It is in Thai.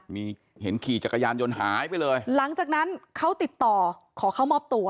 มีเห็นขี่จักรยานยนต์หายไปเลยหลังจากนั้นเขาติดต่อขอเข้ามอบตัว